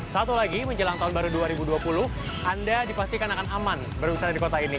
satu lagi menjelang tahun baru dua ribu dua puluh anda dipastikan akan aman berwisata di kota ini